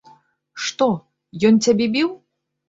Што, ён цябе біў?